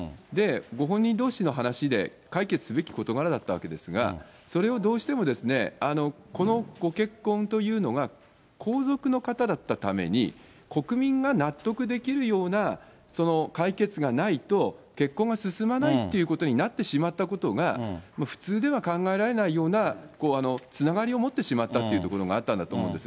ご本人どうしの話で解決すべき事柄だったわけですが、それをどうしても、このご結婚というのが皇族の方だったために、国民が納得できるような解決がないと、結婚が進まないということになってしまったことが、普通では考えられないような、つながりを持ってしまったというところがあったんだと思うんです。